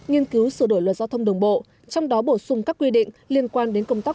nghiên cứu sửa đổi luật giao thông đường bộ trong đó bổ sung các quy định liên quan đến công tác